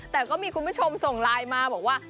แต่ก็มีคุณผู้ชมส่งไลน์มาบอกว่า